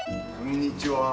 こんにちは。